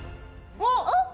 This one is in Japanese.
あっ！